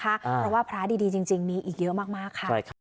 เพราะว่าพระดีจริงมีอีกเยอะมากค่ะ